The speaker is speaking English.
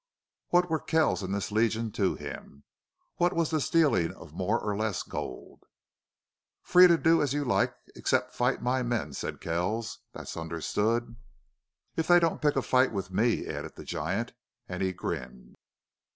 What were Kells and this Legion to him? What was the stealing of more or less gold? "Free to do as you like except fight my men," said Kells. "That's understood." "If they don't pick a fight with me," added the giant, and he grinned.